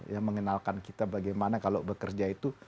ya mengenalkan kita bagaimana kalau bekerja itu